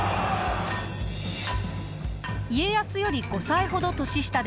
家康より５歳ほど年下です。